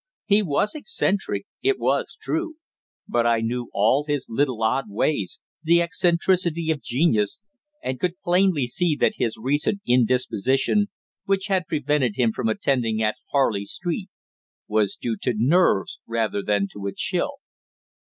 He was eccentric, it was true; but I knew all his little odd ways, the eccentricity of genius, and could plainly see that his recent indisposition, which had prevented him from attending at Harley Street, was due to nerves rather than to a chill.